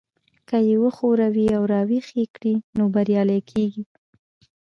که يې وښوروئ او را ويښ يې کړئ نو بريالي کېږئ.